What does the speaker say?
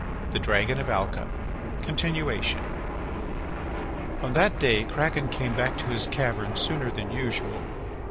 THE DRAGON OF ALCA (Continuation) On that day Kraken came back to his cavern sooner than usual.